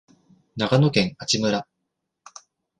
長野県阿智村